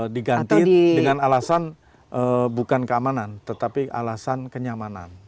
diganti dengan alasan bukan keamanan tetapi alasan kenyamanan